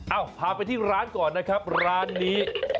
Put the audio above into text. พาไปที่ร้านก่อนนะครับร้านนี้